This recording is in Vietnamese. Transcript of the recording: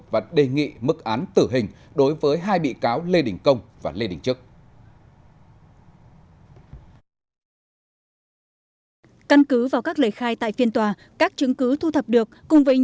và đề nghị mức án tử hình đối với hai bị cáo lê đình công và lê đình trức